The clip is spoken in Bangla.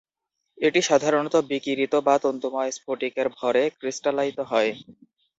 এটি সাধারণত বিকিরিত বা তন্তুময় স্ফটিকের ভরে ক্রিস্টালায়িত হয়।